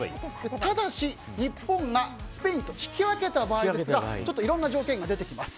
ただし日本がスペインと引き分けた場合ですがいろんな条件が出てきます。